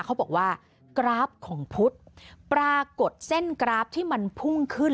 เขาบอกว่ากราฟของพุทธปรากฏเส้นกราฟที่มันพุ่งขึ้น